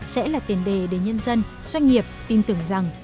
sẽ là tiền đề để nhân dân doanh nghiệp tin tưởng rằng